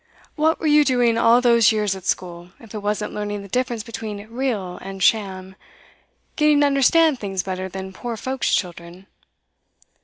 What were you doing all those years at school, if it wasn't learning the difference between real and sham, getting to understand things better than poor folks' children?